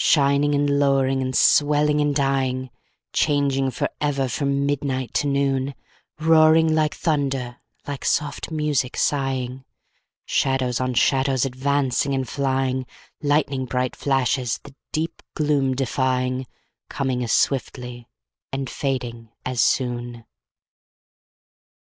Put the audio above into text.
Shining and lowering and swelling and dying, Changing forever from midnight to noon; Roaring like thunder, like soft music sighing, Shadows on shadows advancing and flying, Lighning bright flashes the deep gloom defying, Coming as swiftly and fading as soon.